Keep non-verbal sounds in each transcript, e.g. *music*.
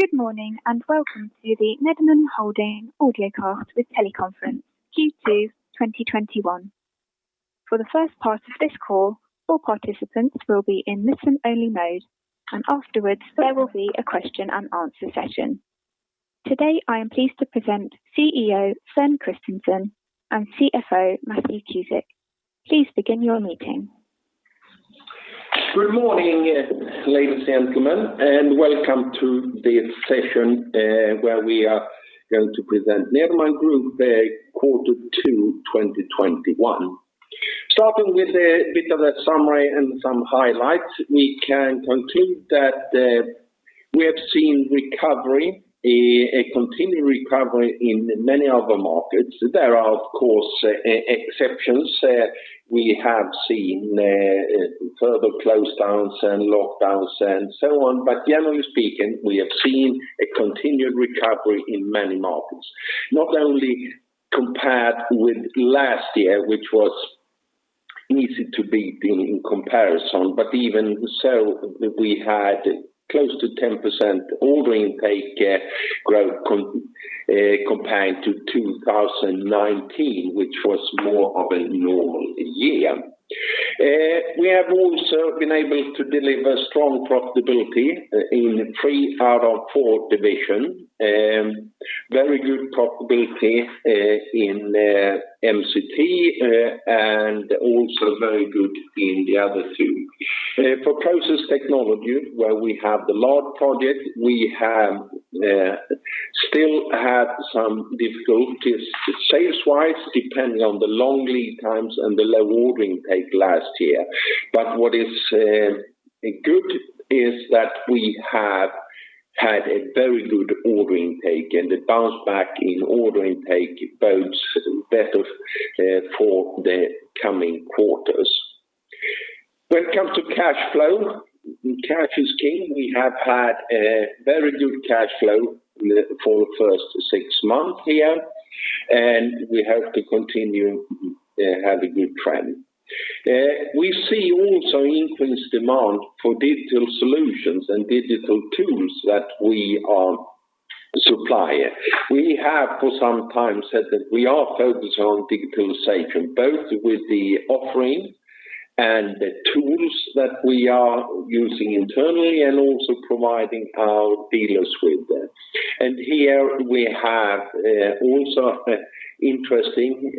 Good morning, and welcome to the Nederman Holding audiocast with teleconference, Q2 2021. For the first part of this call, all participants will be in listen-only mode, and afterwards, there will be a question-and-answer session. Today, I am pleased to present CEO, Sven Kristensson, and CFO, Matthew Cusick. Please begin your meeting. Good morning, ladies and gentlemen, welcome to this session where we are going to present Nederman Group quarter two 2021. Starting with a bit of a summary and some highlights, we can conclude that we have seen recovery, a continued recovery in many of the markets. There are, of course, exceptions. We have seen further closedowns and lockdowns and so on, but generally speaking, we have seen a continued recovery in many markets, not only compared with last year, which was easy to beat in comparison, but even so, we had close to 10% order intake growth compared to 2019, which was more of a normal year. We have also been able to deliver strong profitability in three out of four divisions. Very good profitability in MCT, and also very good in the other two. For Process Technology, where we have the large project, we have still had some difficulties sales-wise, depending on the long lead times and the low order intake last year. What is good is that we have had a very good order intake and a bounce back in order intake bodes better for the coming quarters. When it comes to cash flow, cash is king. We have had a very good cash flow for the first six months here, and we hope to continue have a good trend. We see also increased demand for digital solutions and digital tools that we are supplying. We have for some time said that we are focused on digitalization, both with the offering and the tools that we are using internally and also providing our dealers with that. Here we have also interesting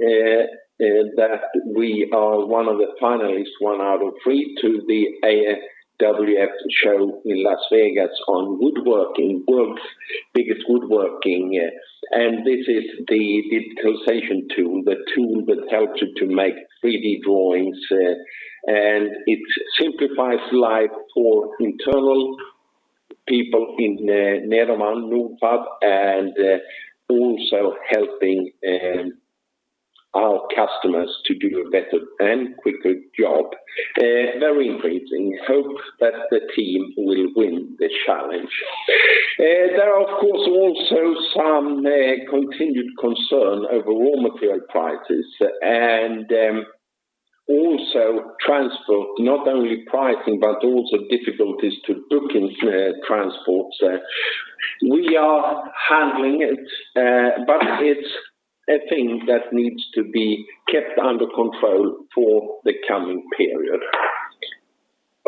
that we are one of the finalists, one out of three to the AWFS show in Las Vegas on woodworking, world's biggest woodworking. This is the digitalization tool, the tool that helps you to make 3D drawings. It simplifies life for internal people in Nederman Group, also helping our customers to do a better and quicker job. Very increasing hope that the team will win this challenge. There are, of course, also some continued concern over raw material prices and also transport, not only pricing, but also difficulties to booking transport. We are handling it, but it's a thing that needs to be kept under control for the coming period.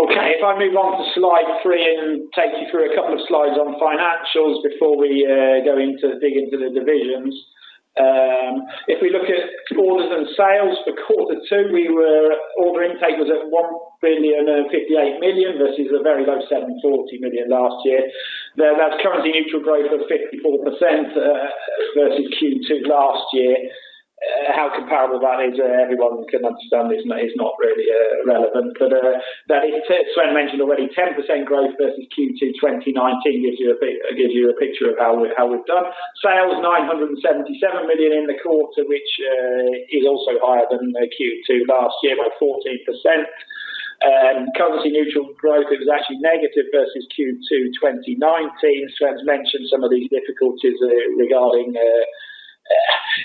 Okay, if I move on to slide three and take you through a couple of slides on financials before we go into dig into the divisions. We look at orders and sales for quarter two, order intake was at 1.058 billion versus a very low 740 million last year. That's currency neutral growth of 54% versus Q2 last year. How comparable that is everyone can understand is not really relevant. Sven mentioned already 10% growth versus Q2 2019 gives you a picture of how we've done. Sales 977 million in the quarter, which is also higher than Q2 last year by 14%. Currency neutral growth is actually negative versus Q2 2019. Sven's mentioned some of these difficulties regarding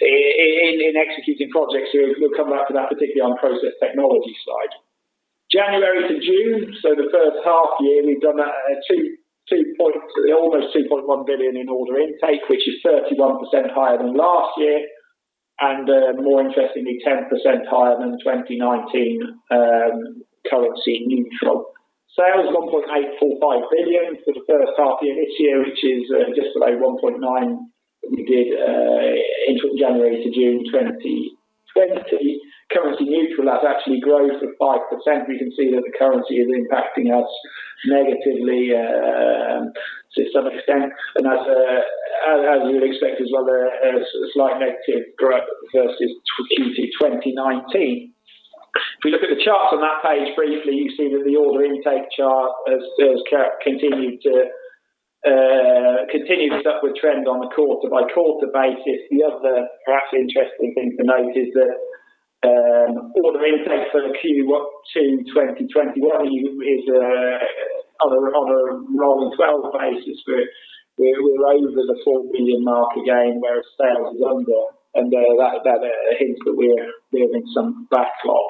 in executing projects, we'll come back to that, particularly on Process Technology side. January to June, so the first half year, we've done almost 2.1 billion in order intake, which is 31% higher than last year, and more interestingly, 10% higher than 2019 currency neutral. Sales 1.845 billion for the first half year of this year, which is just below 1.9 billion we did January to June 2020. Currency neutral, that's actually growth of 5%. We can see that the currency is impacting us negatively to some extent, and as you would expect as well, a slight negative growth versus Q2 2019. If we look at the charts on that page briefly, you see that the order intake chart has continued this upward trend on the quarter-by-quarter basis. The other perhaps interesting thing to note is that order intake for Q2 2021 is on a rolling 12 basis, we're over the 4 billion mark again, whereas sales is under, and that hints that we're building some backlog.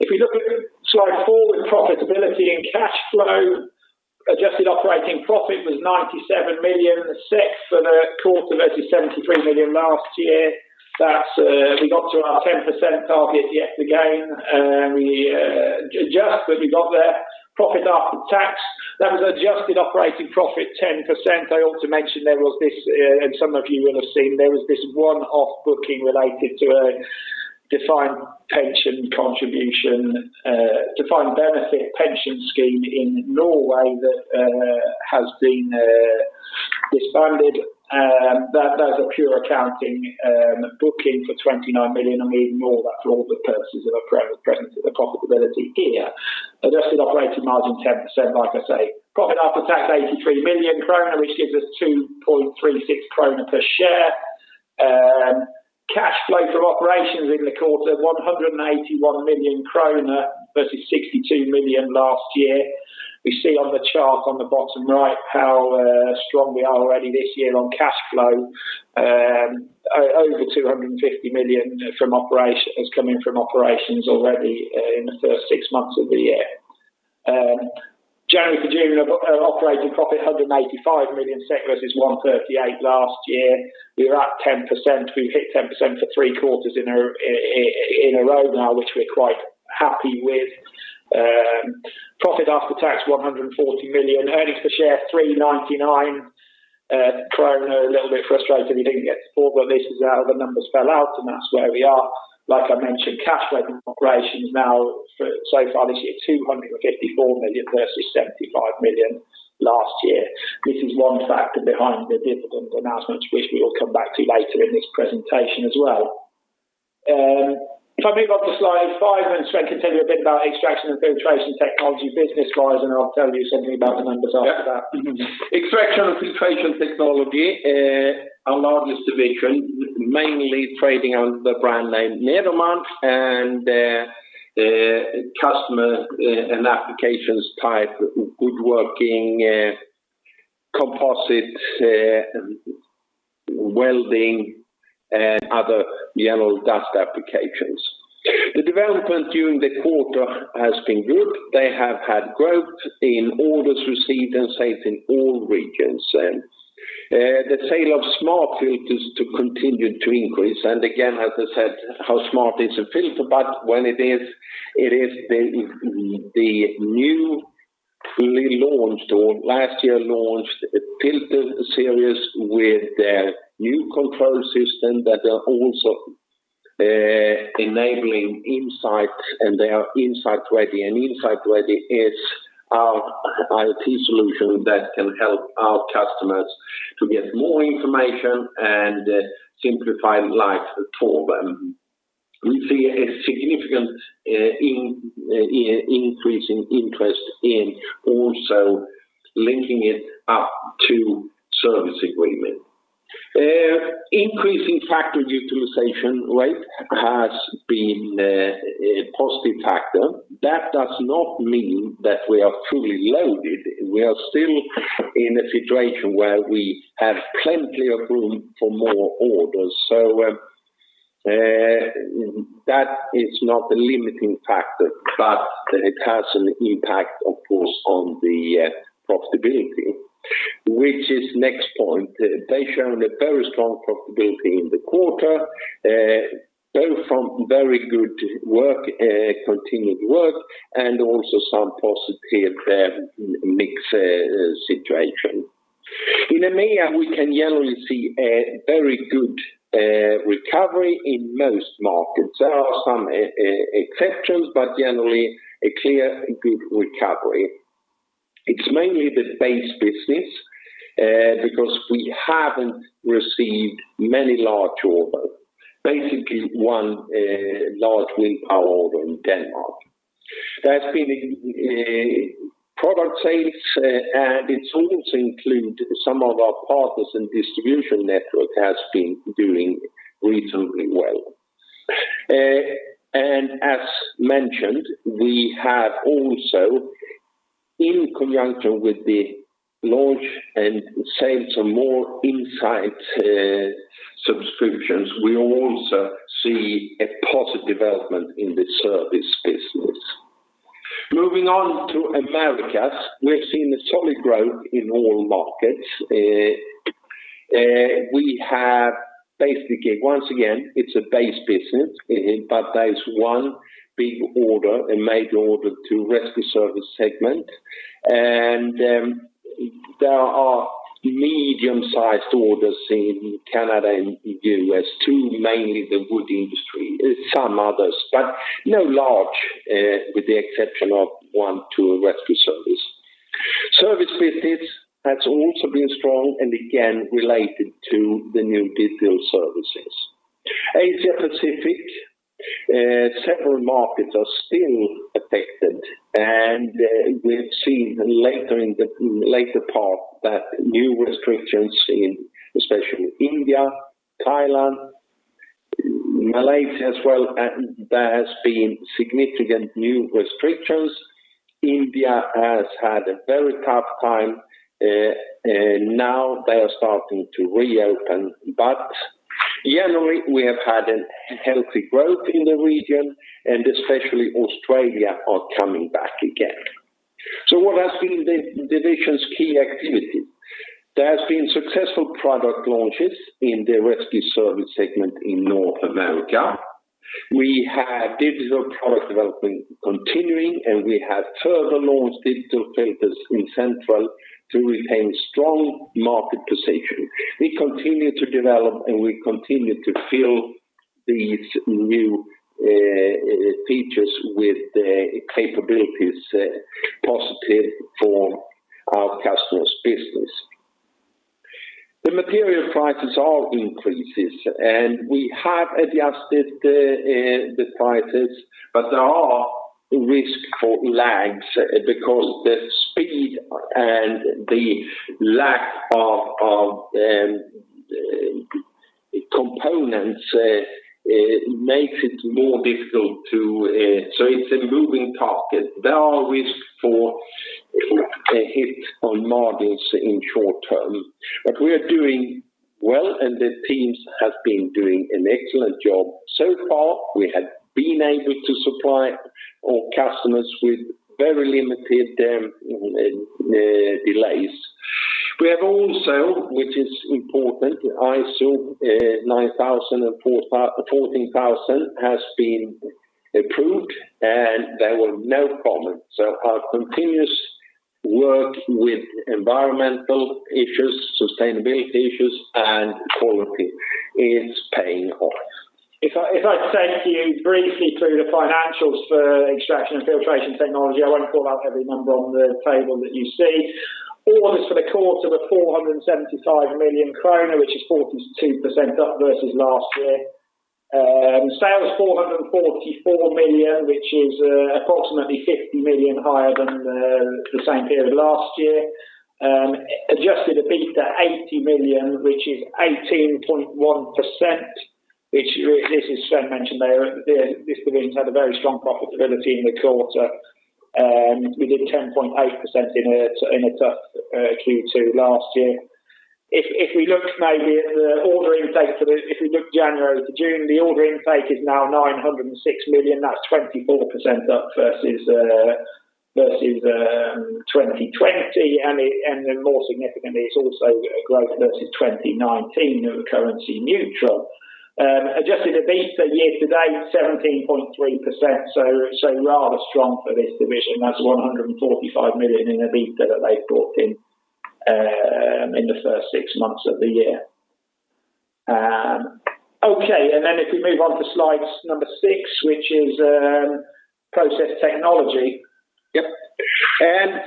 If we look at slide four, profitability and cash flow, adjusted operating profit was 97.6 million for the quarter versus 73 million last year. We got to our 10% target yet again. We adjust, but we got there. Profit after tax, that was adjusted operating profit 10%. I ought to mention there was this, and some of you will have seen, there was this one-off booking related to a defined pension contribution, defined benefit pension scheme in Norway that has been disbanded. That was a pure accounting booking for 29 million and we ignore that for all the purposes of presence of the profitability here. Adjusted operating margin 10%, like I say. Profit after tax, 83 million krona, which gives us 2.36 krona per share. Cash flow from operations in the quarter, 181 million krona versus 62 million last year. We see on the chart on the bottom right how strong we are already this year on cash flow. Over 250 million has come in from operations already in the first six months of the year. January to June operating profit, 185 million SEK versus 138 million last year. We are at 10%. We've hit 10% for three quarters in a row now, which we're quite happy with. Profit after tax, 140 million. Earnings per share, 3.99. A little bit frustrated we didn't get 4, but this is how the numbers fell out, and that's where we are. Like I mentioned, cash flow from operations now so far this year, 254 million versus 75 million last year. This is one factor behind the dividend announcements, which we will come back to later in this presentation as well. If I move on to slide five and Sven can tell you a bit about Extraction & Filtration Technology business-wise, and I'll tell you something about the numbers after that. Extraction & Filtration Technology, our largest division, mainly trading under the brand name Nederman, and customer and applications type, woodworking, composite, welding, and other general dust applications. The development during the quarter has been good. They have had growth in orders received and sales in all regions. The sale of SmartFilters to continue to increase, and again, as I said, how smart is a filter? When it is the new fully launched or last year launched filter series with a new control system that are also enabling Insight and they are Insight Ready. Insight Ready is our IoT solution that can help our customers to get more information and simplify life for them. We see a significant increase in interest in also linking it up to service agreement. Increasing factor utilization rate has been a positive factor. That does not mean that we are fully loaded. We are still in a situation where we have plenty of room for more orders. That is not the limiting factor, but it has an impact, of course, on the profitability, which is next point. They've shown a very strong profitability in the quarter, both from very good continued work and also some positive mix situation. In EMEA, we can generally see a very good recovery in most markets. There are some exceptions, but generally a clear good recovery. It's mainly the base business, because we haven't received many large orders. Basically, one large wind power order in Denmark. There's been product sales, and it also includes some of our partners and distribution network has been doing reasonably well. As mentioned, we have also in conjunction with the launch and sales of more Insight subscriptions, we also see a positive development in the service business. Moving on to Americas, we've seen a solid growth in all markets. Once again, it's a base business, but there is one big order, a major order to rescue service segment. There are medium-sized orders in Canada and the U.S. to mainly the wood industry and some others, but no large, with the exception of one to a rescue service. Service business has also been strong and again related to the new digital services. Asia Pacific, several markets are still affected. We've seen later part that new restrictions in especially India, Thailand, Malaysia as well. There has been significant new restrictions. India has had a very tough time, and now they are starting to reopen. Generally, we have had a healthy growth in the region. Especially Australia are coming back again. What has been the division's key activity? There has been successful product launches in the rescue service segment in North America. We have digital product development continuing. We have further launched digital filters in central to retain strong market position. We continue to develop. We continue to fill these new features with capabilities positive for our customers' business. The material prices are increases. We have adjusted the prices, there are risk for lags because the speed and the lack of components makes it more difficult. It's a moving target. There are risk for a hit on margins in short term. We are doing well. The teams have been doing an excellent job so far. We have been able to supply our customers with very limited delays. We have also, which is important, ISO 9001 and ISO 14001 has been approved. There were no comments. Our continuous work with environmental issues, sustainability issues, and quality is paying off. If I take you briefly through the financials for Extraction & Filtration Technology, I won't call out every number on the table that you see. Orders for the quarter were 475 million kronor, which is 42% up versus last year. Sales 444 million, which is approximately 50 million higher than the same period last year. Adjusted EBITDA 80 million, which is 18.1%, which this is Sven mentioned there. This division's had a very strong profitability in the quarter. We did 10.8% in a tough Q2 last year. If we look maybe at the order intake, if we look January to June, the order intake is now 906 million. That's 24% up versus 2020. More significantly, it's also growth versus 2019 and currency neutral. Adjusted EBITDA year-to-date, 17.3%, so rather strong for this division. That's 145 million in EBITDA that they've brought in in the first six months of the year. If we move on to slides number six, which is Process Technology. Yep.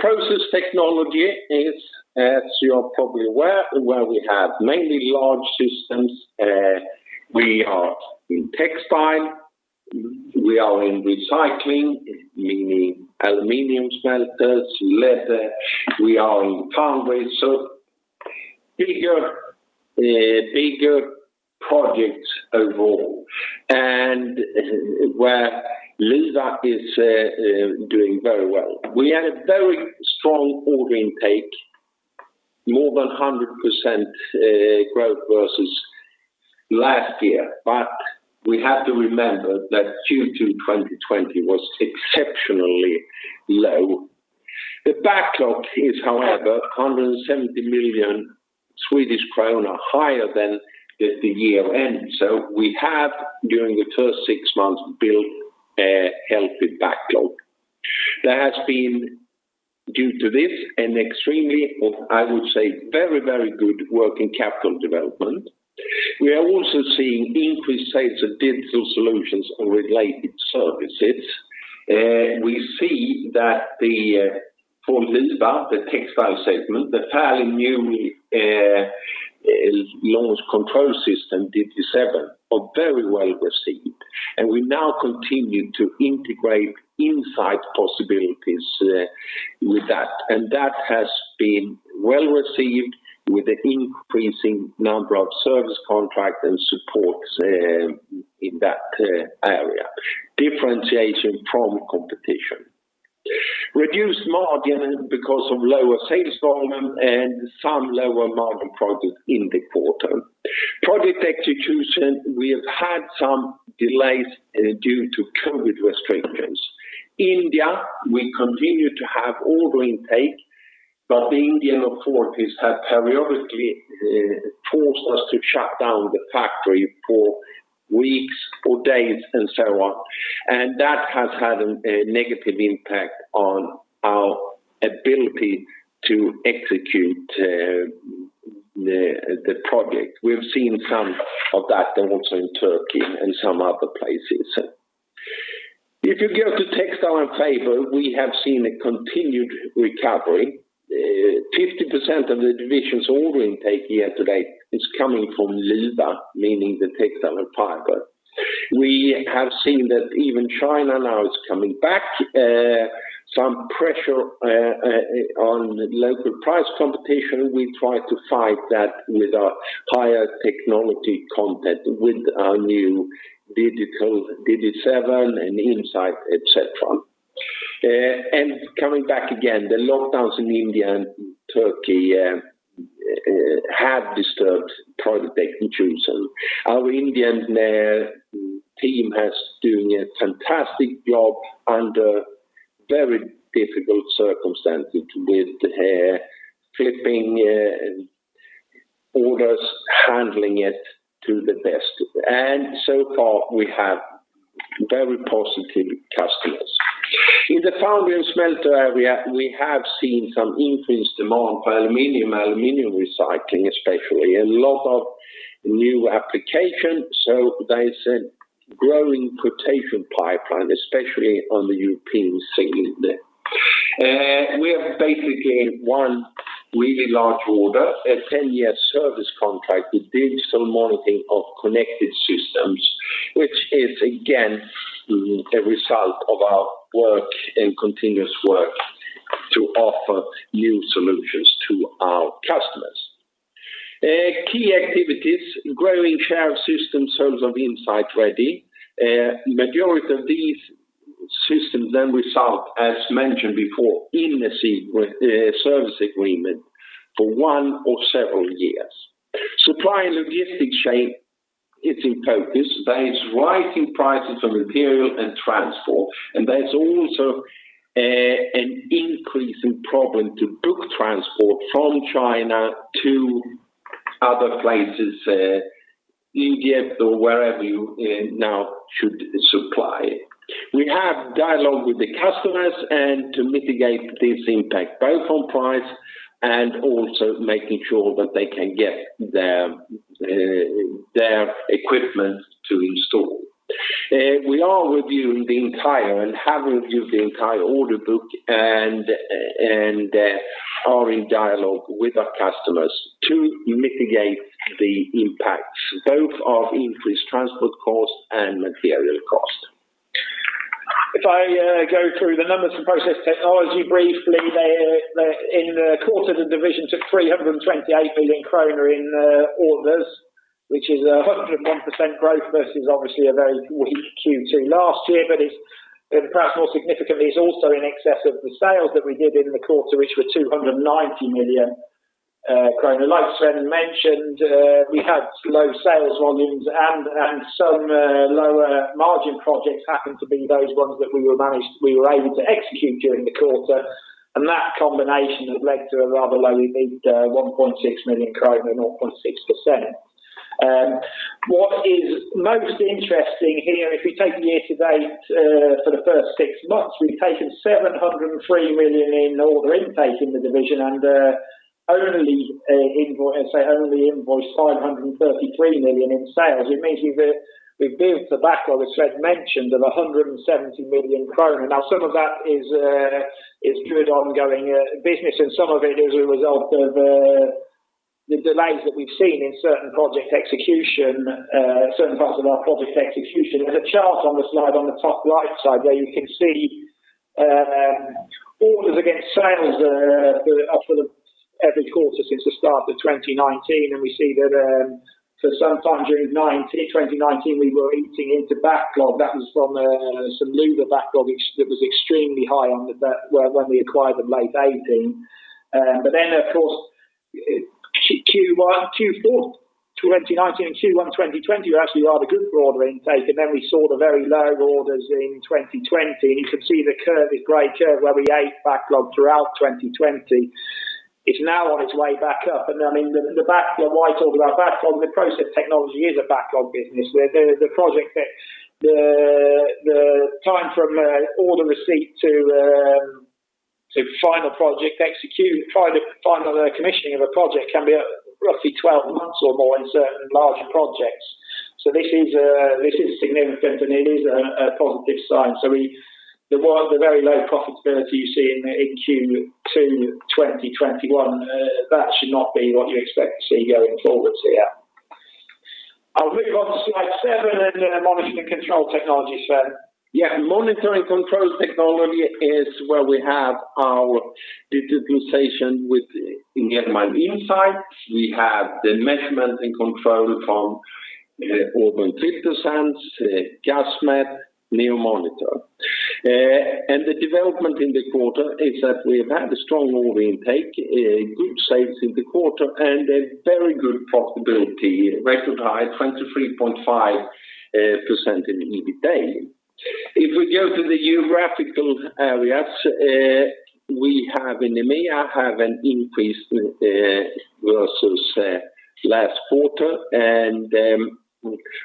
Process Technology is, as you are probably aware, where we have mainly large systems. We are in textile, we are in recycling, meaning aluminum smelters, leather. We are in foundries. Bigger projects overall, where Luwa is doing very well. We had a very strong order intake, more than 100% growth versus last year. We have to remember that Q2 2020 was exceptionally low. The backlog is, however, 170 million Swedish krona higher than the year-end. We have, during the first six months, built a healthy backlog. There has been, due to this, an extremely, I would say very good working capital development. We are also seeing increased sales of digital solutions and related services. We see that for Luwa, the textile segment, the fairly newly launched control system, D7, are very well received. We now continue to integrate Insight possibilities with that. That has been well received with the increasing number of service contract and supports in that area. Differentiation from competition. Reduced margin because of lower sales volume and some lower margin projects in the quarter. Project execution, we have had some delays due to COVID restrictions. India, we continue to have order intake, but the Indian authorities have periodically forced us to shut down the factory for weeks or days and so on. That has had a negative impact on our ability to execute the project. We've seen some of that also in Turkey and some other places. If you go to Textile and Fiber, we have seen a continued recovery. 50% of the division's order intake year-to-date is coming from Luwa, meaning the textile and fiber. We have seen that even China now is coming back. Some pressure on local price competition, we try to fight that with our higher technology content, with our new digital D7 and Insight, et cetera. Coming back again, the lockdowns in India and Turkey have disturbed. *audio distortion* Our Indian team is doing a fantastic job under very difficult circumstances with flipping orders, handling it to the best. So far, we have very positive. *audio distortion* In the foundry and smelter area, we have seen some increased demand for aluminum recycling, especially. A lot of new applications, there is a growing quotation pipeline, especially on the European scene. We have basically one really large order, a 10-year service contract with digital monitoring of connected systems, which is again, a result of our work and continuous work to offer new solutions to our customers. Key activities, growing share of systems sold of Insight Ready. Majority of these systems then result, as mentioned before, in a service agreement for one or several years. Supply and logistics chain is in focus. There is rising prices on material and transport, and there's also an increasing problem to book transport from China to other places, Egypt or wherever you now should supply. We have dialogue with the customers and to mitigate this impact, both on price and also making sure that they can get their equipment to install. We have reviewed the entire order book and are in dialogue with our customers to mitigate the impacts, both of increased transport costs and material cost. If I go through the numbers for Process Technology briefly, in the quarter, the division took 328 million kronor in orders, which is 101% growth versus obviously a very weak Q2 last year. Perhaps more significantly, it's also in excess of the sales that we did in the quarter, which were 290 million kronor. Like Sven mentioned, we had low sales volumes and some lower margin projects happened to be those ones that we were able to execute during the quarter. That combination has led to a rather low EBIT, 1.6 million krona, 0.6%. What is most interesting here, if we take year-to-date, for the first six months, we've taken 703 million in order intake in the division and only invoiced 533 million in sales. It means we've built the backlog, as Sven mentioned, of 170 million kronor. Some of that is good ongoing business, and some of it is a result of the delays that we have seen in certain parts of our project execution. There is a chart on the slide on the top right side where you can see orders against sales for every quarter since the start of 2019. We see that for some time during 2019, we were eating into backlog. That was from some Luwa backlog, which was extremely high when we acquired them late 2018. Of course, Q4 2019 and Q1 2020 were actually rather good for order intake. We saw the very low orders in 2020. You can see this gray curve where we ate backlog throughout 2020. It is now on its way back up. Why talk about backlog? The Process Technology is a backlog business. The time from order receipt to final commissioning of a project can be roughly 12 months or more in certain larger projects. This is significant, and it is a positive sign. The very low profitability you see in Q2 2021, that should not be what you expect to see going forwards here. I'll move on to slide seven and then Monitoring & Control Technology, Sven. Yeah. Monitoring & Control Technology is where we have our digitalization with Nederman Insight. We have the measurement and control from Auburn FilterSense, Gasmet, NEO Monitors. The development in the quarter is that we have had a strong order intake, good sales in the quarter, and a very good profitability, record high, 23.5% in EBITA. If we go to the geographical areas, we have in EMEA have an increase versus last quarter, and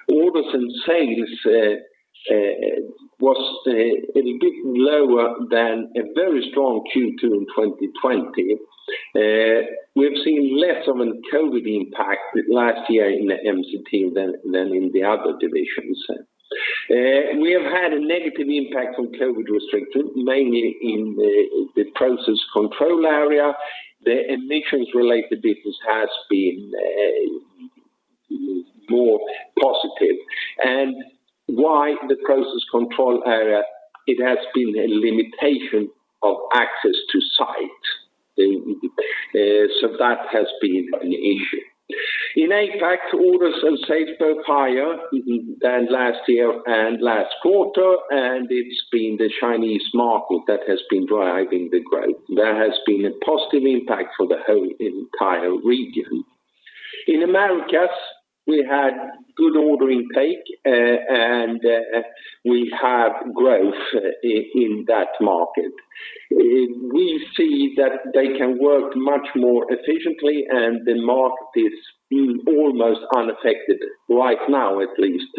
orders and sales was a little bit lower than a very strong Q2 in 2020. We have seen less of a COVID impact last year in MCT than in the other divisions. We have had a negative impact from COVID restrictions, mainly in the process control area. The emissions related business has been more positive. Why the process control area? It has been a limitation of access to sites. That has been an issue. In APAC, orders and sales both higher than last year and last quarter, and it's been the Chinese market that has been driving the growth. There has been a positive impact for the whole entire region. In Americas, we had good order intake, and we have growth in that market. We see that they can work much more efficiently, and the market is almost unaffected right now, at least,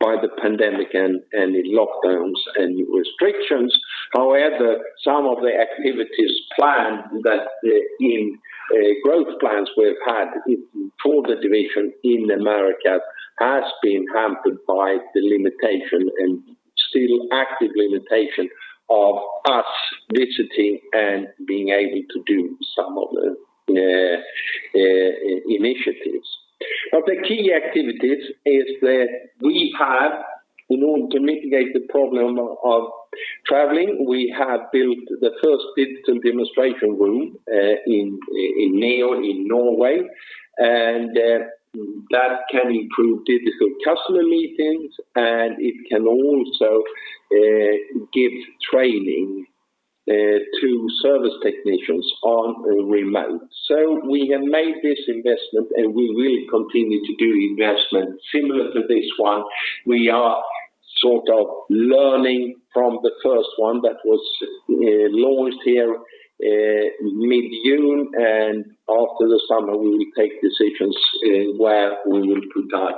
by the pandemic and the lockdowns and restrictions. However, some of the activities planned that in growth plans we've had for the division in Americas has been hampered by the limitation and still active limitation of us visiting and being able to do some of the initiatives. The key activities is that we have, in order to mitigate the problem of traveling, we have built the first digital demonstration room in NEO in Norway, and that can improve digital customer meetings, and it can also give training to service technicians on remote. We have made this investment, and we will continue to do investment similar to this one. We are sort of learning from the first one that was launched here mid-June, and after the summer, we will take decisions where we will put our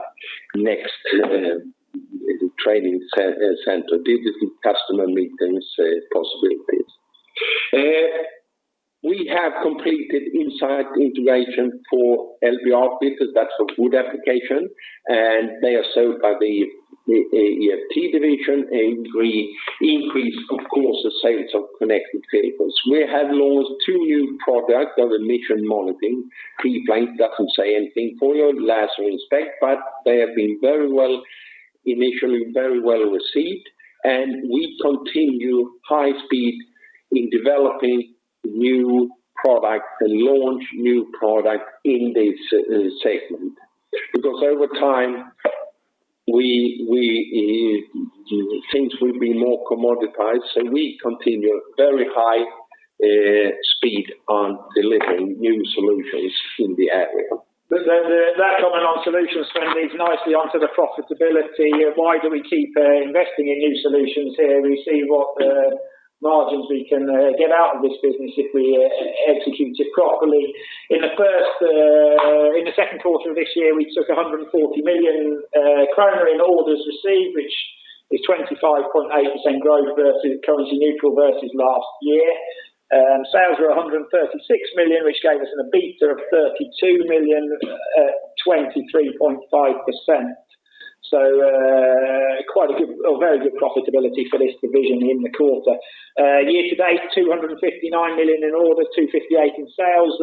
next training center, digital customer meetings possibilities. We have completed Insight integration for LBR business, that's for wood application, and they are sold by the EFT division, and we increase, of course, the sales of connected vehicles. We have launched two new products of emission monitoring. T-flange doesn't say anything for your LaserInspect, but they have been initially very well received, and we continue high speed in developing new products and launch new products in this segment. Over time, things will be more commoditized, so we continue very high speed on delivering new solutions in the area. That comment on solution, Sven, leads nicely onto the profitability. Why do we keep investing in new solutions here? We see what margins we can get out of this business if we execute it properly. In the second quarter of this year, we took 140 million kronor in orders received, which is 25.8% growth currency neutral versus last year. Sales were 136 million, which gave us an EBITDA of 32 million at 23.5%. Very good profitability for this division in the quarter. Year-to-date, 259 million in orders, 258 million in sales.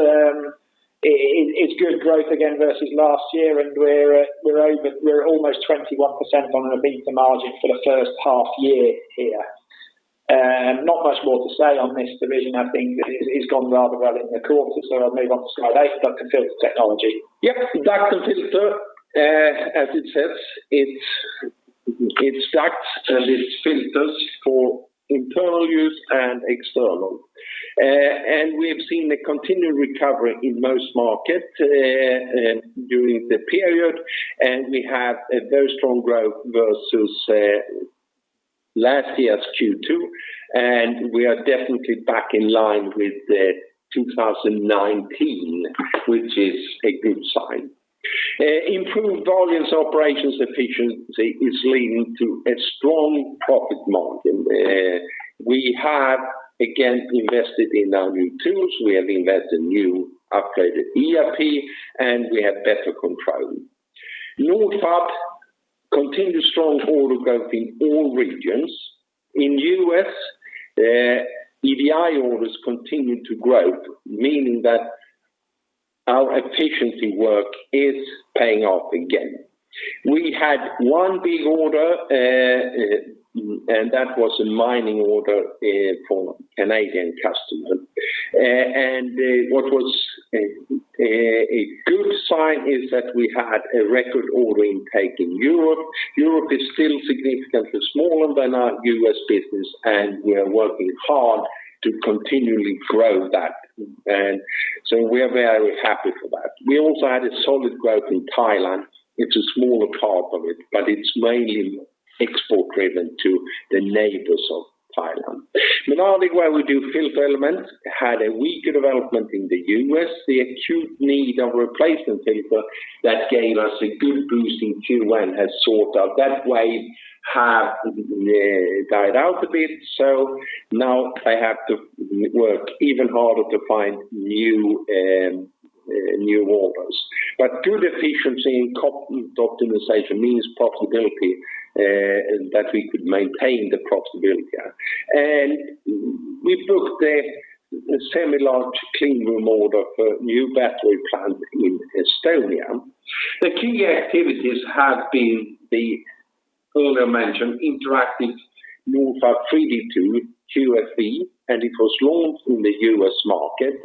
It's good growth again versus last year, and we're almost 21% on an EBITDA margin for the first half year here. Not much more to say on this division. I think it's gone rather well in the quarter, so I'll move on to slide eight, Duct & Filter Technology. Yep. Duct & Filter, as it says, it's ducts and it's filters for internal use and external. We have seen a continued recovery in most markets during the period, and we have a very strong growth versus last year's Q2, and we are definitely back in line with 2019, which is a good sign. Improved volumes operations efficiency is leading to a strong profit margin. We have, again, invested in our new tools. We have invested new upgraded ERP, and we have better control. Nordfab continued strong order growth in all regions. In U.S., EDI orders continued to grow, meaning that our efficiency work is paying off again. We had one big order, and that was a mining order for a Canadian customer. What was a good sign is that we had a record order intake in Europe. Europe is still significantly smaller than our U.S. business, and we are working hard to continually grow that. We are very happy for that. We also had a solid growth in Thailand, which is smaller part of it, but it's mainly export driven to the neighbors of Thailand. Menardi, where we do filter element, had a weaker development in the U.S. The acute need of replacement paper that gave us a good boost in Q1 has died out. That wave has died out a bit, so now they have to work even harder to find new orders. Good efficiency and cost optimization means profitability, and that we could maintain the profitability. We booked a semi-large clean room order for a new battery plant in Estonia. The key activities have been the earlier mentioned interactive Nordfab 3D tool, QFV, and it was launched in the U.S. market.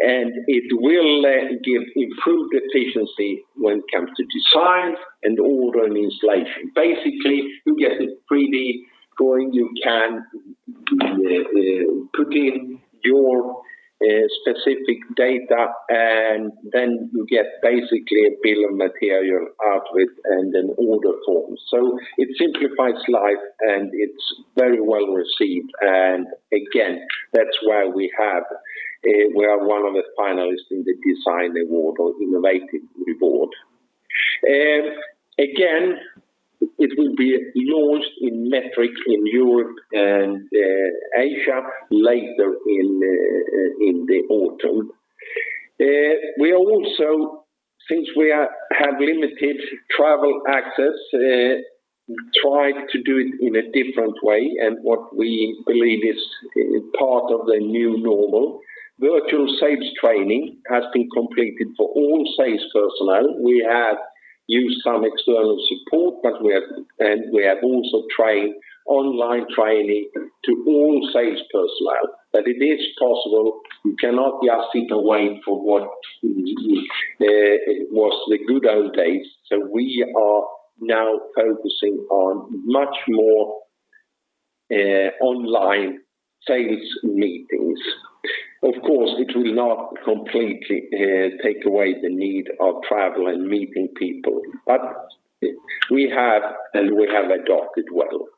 It will give improved efficiency when it comes to design and order and installation. Basically, you get a 3D going. You can put in your specific data, then you get basically a bill of material out with an order form. It simplifies life, and it's very well-received. Again, that's why we are one of the finalists in the design award or innovative award. Again, it will be launched in metric in Europe and Asia later in the autumn. We also, since we have had limited travel access, tried to do it in a different way and what we believe is part of the new normal. Virtual sales training has been completed for all sales personnel. We have used some external support, and we have also trained online training to all sales personnel. It is possible. We cannot just sit and wait for what was the good old days, so we are now focusing on much more online sales meetings. Of course, it will not completely take away the need of travel and meeting people. We have adopted well.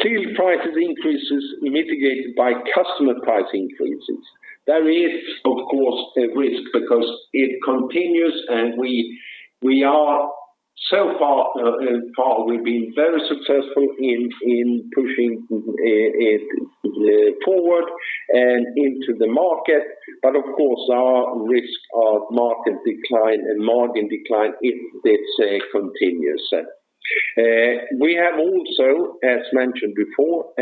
Steel prices increases mitigated by customer price increases. There is, of course, a risk because it continues, and so far we've been very successful in pushing it forward and into the market. Of course, our risk of market decline and margin decline if this continues. We have also, as mentioned before,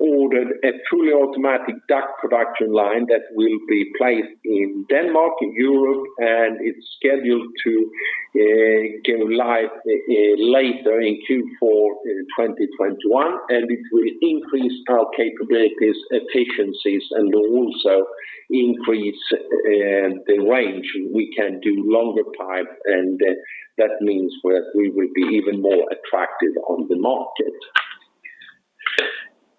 ordered a truly automatic duct production line that will be placed in Denmark, in Europe, and it's scheduled to go live later in Q4 2021. It will increase our capabilities, efficiencies, and also increase the range. We can do longer pipe, and that means we will be even more attractive on the market.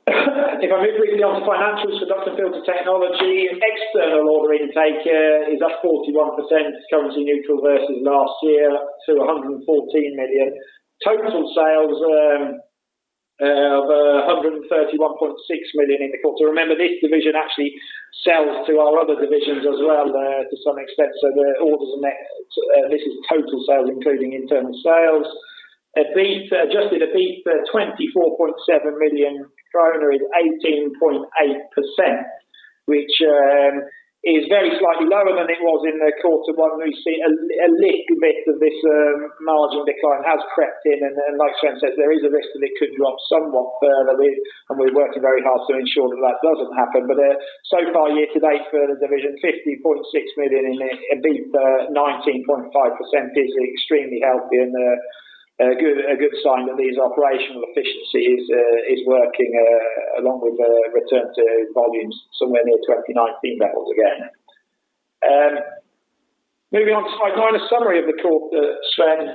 If I move briefly on to financials for Duct & Filter Technology, external order intake is up 41% currency neutral versus last year to 114 million. Total sales of 131.6 million in the quarter. Remember, this division actually sells to our other divisions as well to some extent, so this is total sales, including internal sales. Adjusted EBIT, SEK 24.7 million is 18.8%, which is very slightly lower than it was in the quarter one. We see a little bit of this margin decline has crept in and like Sven says, there is a risk that it could drop somewhat further. We're working very hard to ensure that that doesn't happen. So far year-to-date for the division, 50.6 million in EBIT, 19.5% is extremely healthy and a good sign that these operational efficiency is working along with a return to volumes somewhere near 2019 levels again. Moving on to slide nine, a summary of the quarter, Sven.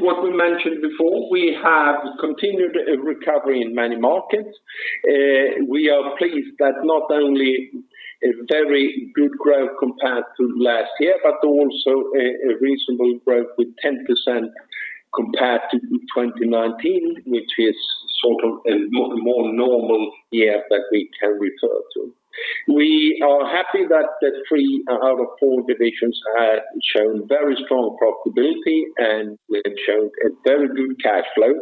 What we mentioned before, we have continued recovery in many markets. We are pleased that not only a very good growth compared to last year, but also a reasonable growth with 10% compared to 2019, which is sort of a more normal year that we can refer to. We are happy that the three out of four divisions have shown very strong profitability, and we have shown a very good cash flow,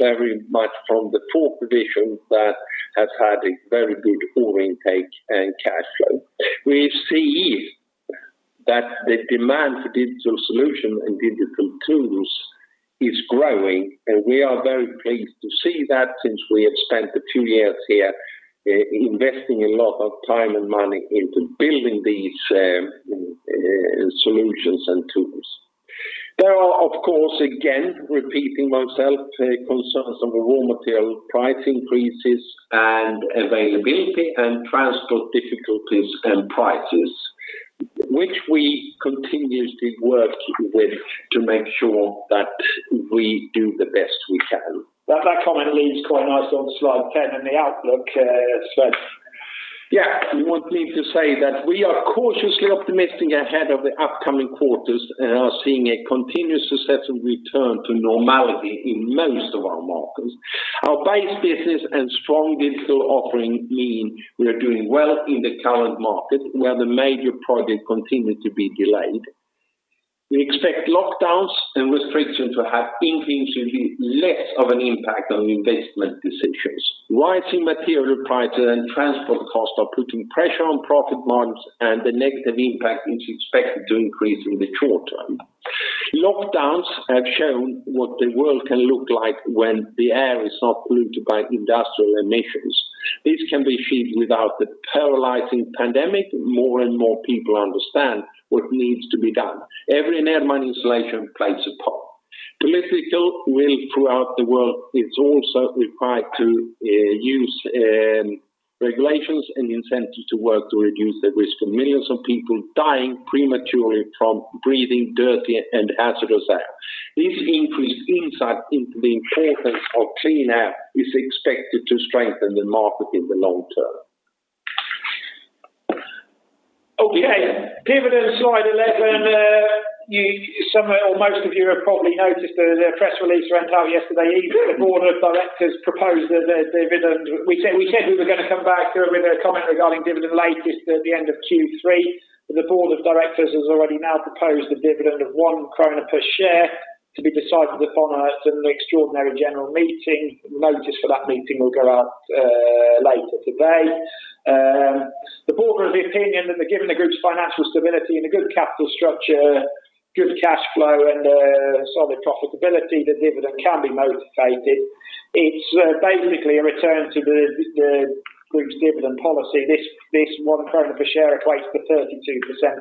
very much from the fourth division that has had a very good order intake and cash flow. We see that the demand for digital solution and digital tools is growing, and we are very pleased to see that since we have spent the two years here investing a lot of time and money into building these solutions and tools. There are, of course, again, repeating myself, concerns of raw material price increases and availability and transport difficulties and prices, which we continuously work with to make sure that we do the best we can. That comment leads quite nice on slide 10 and the outlook, Sven. You want me to say that we are cautiously optimistic ahead of the upcoming quarters and are seeing a continuous successive return to normality in most of our markets. Our base business and strong digital offering mean we are doing well in the current market where the major projects continue to be delayed. We expect lockdowns and restrictions to have increasingly less of an impact on investment decisions. Rising material prices and transport costs are putting pressure on profit margins, and the negative impact is expected to increase in the short term. Lockdowns have shown what the world can look like when the air is not polluted by industrial emissions. This can be achieved without the paralyzing pandemic. More and more people understand what needs to be done. Every Nederman installation plays a part. Political will throughout the world is also required to use regulations and incentives to work to reduce the risk of millions of people dying prematurely from breathing dirty and hazardous air. This increased insight into the importance of clean air is expected to strengthen the market in the long term. Okay. Dividend slide 11. Some or most of you have probably noticed the press release went out yesterday evening. The Board of Directors proposed the dividend. We said we were going to come back with a comment regarding dividend latest at the end of Q3. The Board of Directors has already now proposed a dividend of 1 krona per share to be decided upon at an extraordinary general meeting. Notice for that meeting will go out later today. The Board are of the opinion that given the group's financial stability and a good capital structure, good cash flow, and solid profitability, the dividend can be motivated. It's basically a return to the group's dividend policy. This SEK 1 per share equates to 32%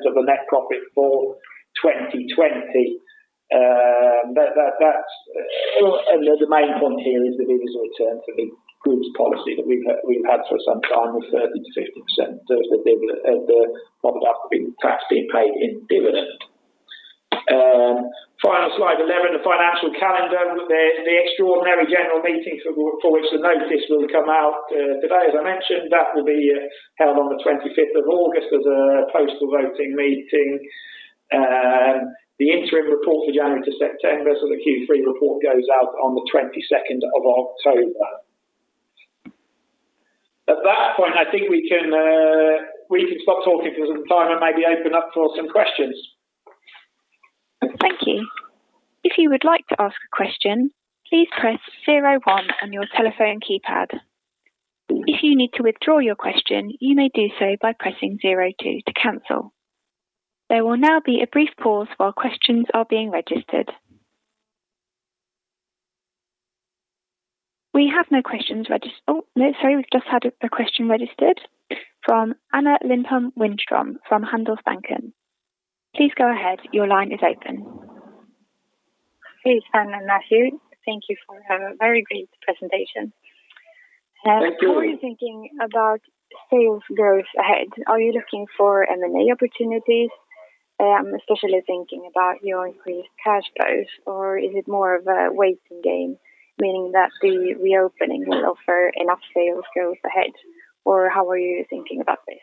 of the net profit for 2020. The main point here is that it is a return to the group's policy that we've had for some time of 30%-50% of the profit after tax being paid in dividend. Final slide 11, the financial calendar, the extraordinary general meeting for which the notice will come out today, as I mentioned, that will be held on the 25th of August as a postal voting meeting. The interim report for January to September, so the Q3 report goes out on the 22nd of October. At that point, I think we can stop talking for some time and maybe open up for some questions. Thank you. If you would like to ask a question, please press zero one on your telephone keypad. If you need to withdraw your question, you may do so by pressing zero two to cancel. There will now be a brief pause while questions are being registered. We have no questions registered. Oh, no, sorry, we've just had a question registered from Anna Lindholm-Widström from Handelsbanken. Please go ahead. Your line is open. Hey, Sven and Matthew. Thank you for a very great presentation. Thank you. How are you thinking about sales growth ahead? Are you looking for M&A opportunities? I am especially thinking about your increased cash flows, or is it more of a waiting game, meaning that the reopening will offer enough sales growth ahead, or how are you thinking about this?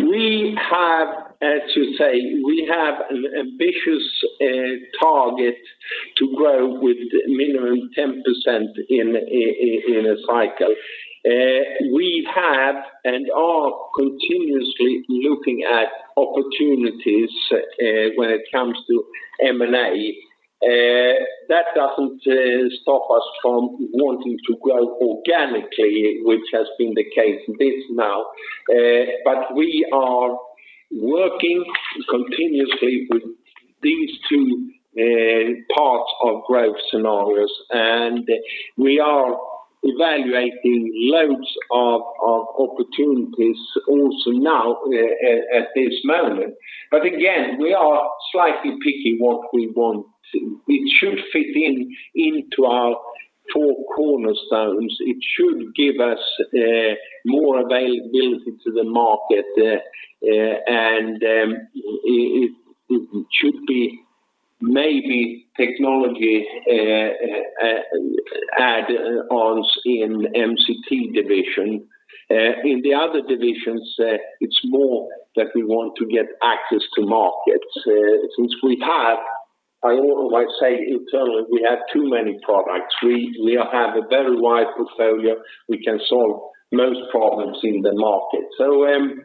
We have to say we have an ambitious target to grow with minimum 10% in a cycle. We have and are continuously looking at opportunities when it comes to M&A. That doesn't stop us from wanting to grow organically, which has been the case this now. We are working continuously with these two parts of growth scenarios, and we are evaluating loads of opportunities also now at this moment. Again, we are slightly picky what we want. It should fit into our four cornerstones. It should give us more availability to the market, and it should be maybe technology add-ons in MCT division. In the other divisions, it's more that we want to get access to markets since we have, I say internally, we have too many products. We have a very wide portfolio. We can solve most problems in the market.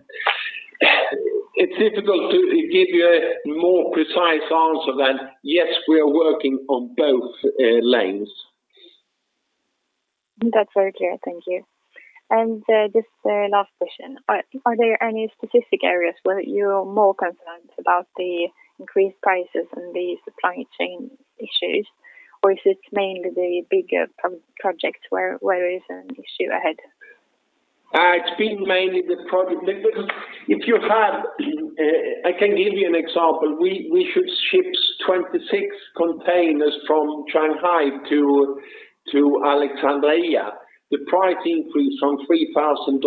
It's difficult to give you a more precise answer than yes, we are working on both lanes. That's very clear. Thank you. Just last question, are there any specific areas where you're more concerned about the increased prices and the supply chain issues, or is it mainly the bigger projects where there is an issue ahead? It's been mainly the project. I can give you an example. We shipped 26 containers from Shanghai to Alexandria. The price increased from $3,000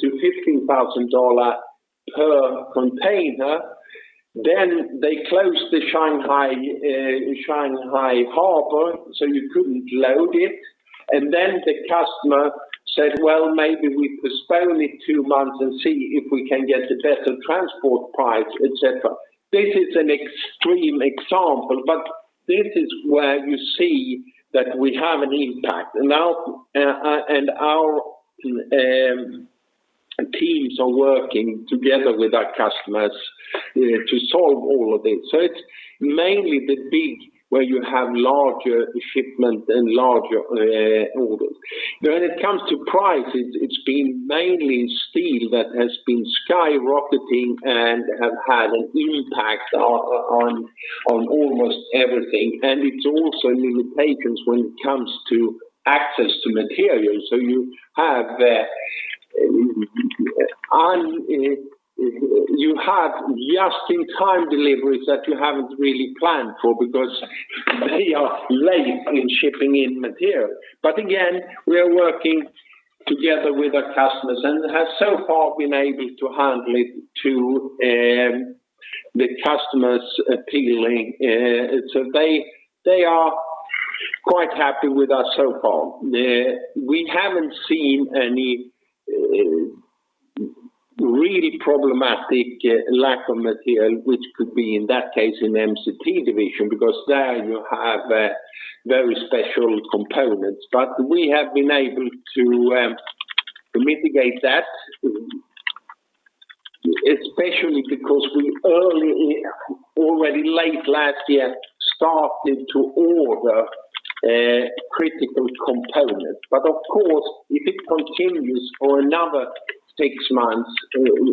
to $15,000 per container. They closed the Shanghai harbor, so you couldn't load it, and then the customer said, "Well, maybe we postpone it two months and see if we can get a better transport price," et cetera. This is an extreme example, but this is where you see that we have an impact, and our teams are working together with our customers to solve all of this. It's mainly the big, where you have larger shipment and larger orders. When it comes to price, it's been mainly steel that has been skyrocketing and have had an impact on almost everything, and it's also limitations when it comes to access to materials. You have- You have just-in-time deliveries that you haven't really planned for because they are late in shipping in material. Again, we are working together with our customers and have so far been able to handle it to the customers' appealing. They are quite happy with us so far. We haven't seen any really problematic lack of material, which could be, in that case, in MCT division, because there you have very special components. We have been able to mitigate that, especially because we early, already late last year, started to order critical components. Of course, if it continues for another six months,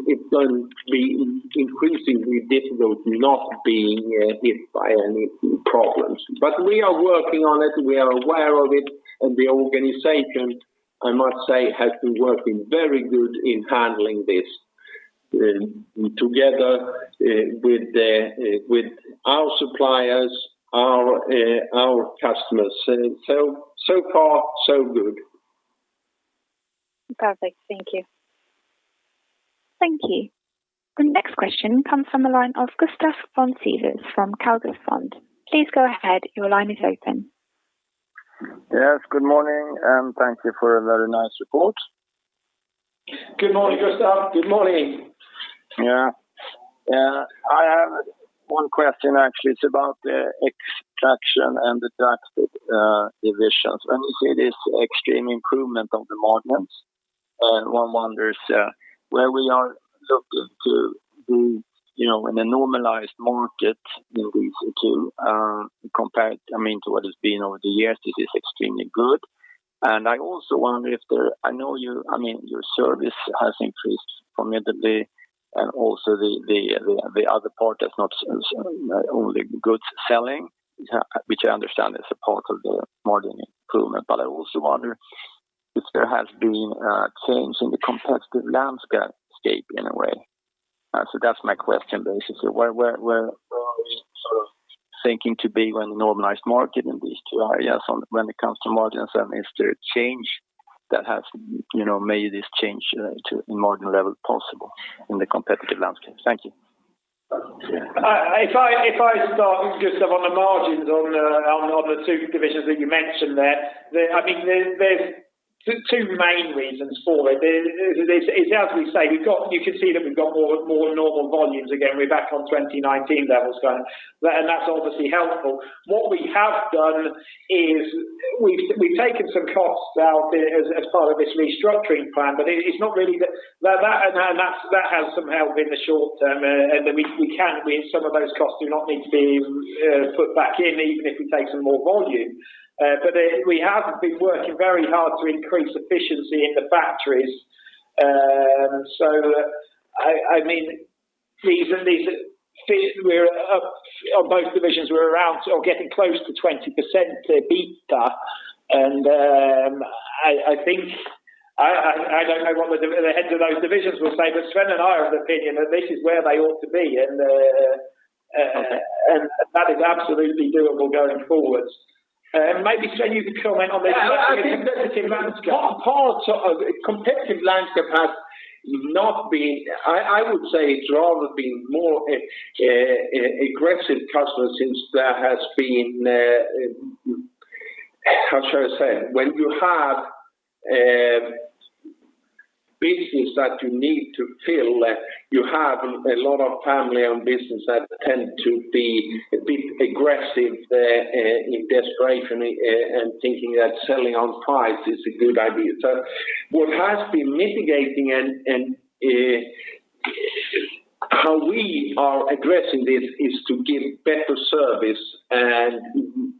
it's going to be increasingly difficult not being hit by any problems. We are working on it. We are aware of it, the organization, I must say, has been working very good in handling this together with our suppliers, our customers. So far so good. Perfect. Thank you. Thank you. The next question comes from the line of [Gustaf von Sydow] from [Catella Fonder]. Please go ahead. Your line is open. Yes, good morning, and thank you for a very nice report. Good morning, [Gustaf]. Good morning. Yeah. I have one question, actually. It's about the Extraction and the Duct divisions. When you see this extreme improvement of the margins, one wonders where we are looking to in a normalized market, basically, to compare it to what has been over the years, this is extremely good. I also wonder, I know your service has increased tremendously, and also the other part is not only goods selling, which I understand is a part of the margin improvement, but I also wonder if there has been a change in the competitive landscape in a way. That's my question, basically. Where are we thinking to be when the normalized market in these two areas when it comes to margins, and is there a change that has made this change to the margin level possible in the competitive landscape? Thank you. If I start, [Gustaf], on the margins on the two divisions that you mentioned there's two main reasons for it. It's as we say, you can see that we've got more normal volumes again. We're back on 2019 levels now, and that's obviously helpful. What we have done is we've taken some costs out as part of this restructuring plan, but it's not really that. That has some help in the short term, and some of those costs do not need to be put back in, even if we take some more volume. We have been working very hard to increase efficiency in the factories. On both divisions, we're around or getting close to 20% EBITDA. I don't know what the heads of those divisions will say, but Sven and I are of the opinion that this is where they ought to be. Okay. That is absolutely doable going forwards. Maybe, Sven, you could comment on the competitive landscape. Part of the competitive landscape, I would say it's rather been more aggressive customers since there has been, how should I say? When you have business that you need to fill, you have a lot of family-owned business that tend to be a bit aggressive in desperation and thinking that selling on price is a good idea. What has been mitigating and how we are addressing this is to give better service and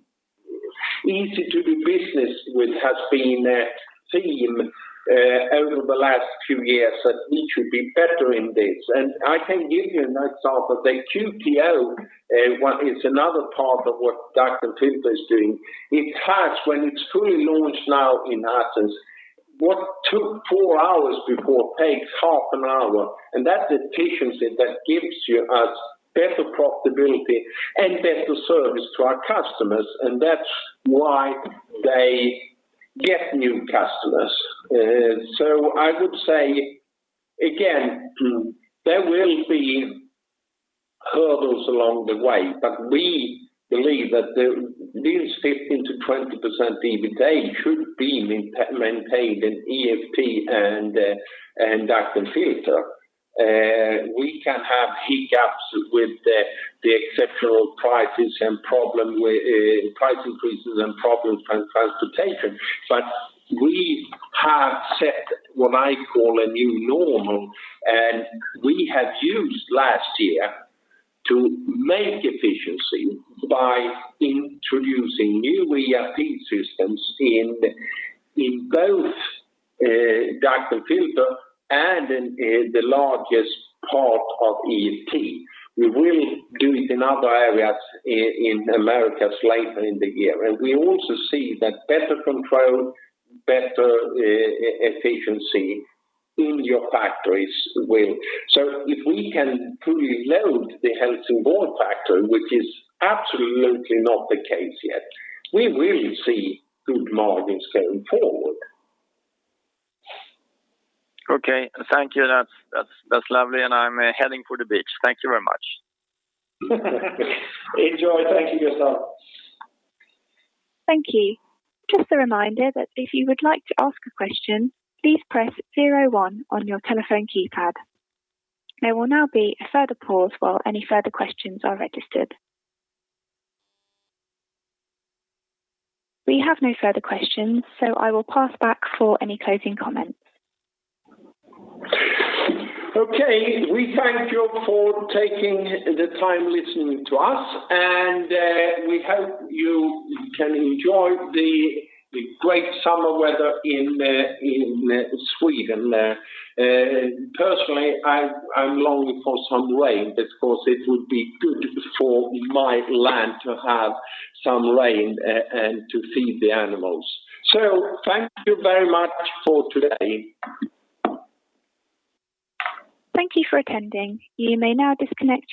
easy to do business with has been a theme over the last few years that we should be better in this. I can give you a nice example. The [QPO] is another part of what Duct & Filter is doing. It has, when it's fully launched now in Assens, what took four hours before takes half an hour, and that's efficiency that gives us better profitability and better service to our customers, and that's why they get new customers. I would say, again, there will be hurdles along the way, but we believe that these 15%-20% EBITDA should be maintained in EFT and Duct & Filter. We can have hiccups with the exceptional prices and problem with price increases and problems from transportation. We have set what I call a new normal, and we have used last year to make efficiency by introducing new ERP systems in both Duct & Filter and in the largest part of EFT. We will do it in other areas in the Americas later in the year. We also see that better control, better efficiency in your factories. If we can fully load the Helsingborg factory, which is absolutely not the case yet, we will see good margins going forward. Okay. Thank you. That's lovely, and I'm heading for the beach. Thank you very much. Enjoy. Thank you, [Gustaf]. Thank you. Just a reminder that if you would like to ask a question, please press zero one on your telephone keypad. There will now be a further pause while any further questions are registered. We have no further questions. I will pass back for any closing comments. Okay. We thank you for taking the time listening to us, and we hope you can enjoy the great summer weather in Sweden. Personally, I'm longing for some rain because it would be good for my land to have some rain and to feed the animals. Thank you very much for today. Thank you for attending. You may now disconnect.